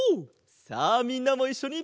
さあみんなもいっしょに！